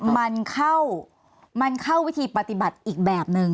มันเข้าวิธีปฏิบัติอีกแบบนึง